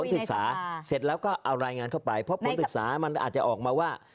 ศึกษาเสร็จแล้วก็เอารายงานเข้าไปเพราะผลศึกษามันอาจจะออกมาว่า